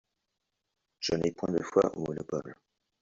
Je n'ai point de foi au monopole.